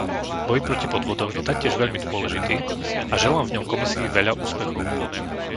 Boj proti podvodom je taktiež veľmi dôležitý a želám v ňom Komisii veľa úspechov.